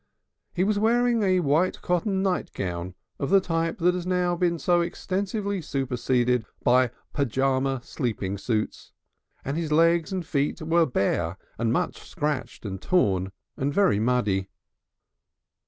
He was wearing a white cotton nightgown of the type that has now been so extensively superseded by pyjama sleeping suits, and his legs and feet were bare and much scratched and torn and very muddy.